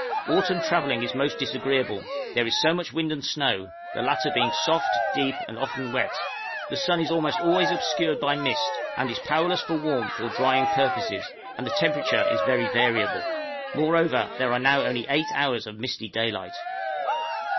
Autumn travelling is most disagreeable; there is so much wind and snow, the latter being soft, deep, and often wet; the sun is almost always obscured by mist, and is powerless for warmth or drying purposes, and the temperature is vary variable. Moreover there are now only eight hours of misty daylight.